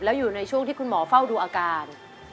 แล้วอยู่ในช่วงที่คุณหมอเฝ้าดูอาการ